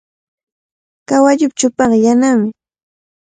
Kawalluupa chupanqa yanami.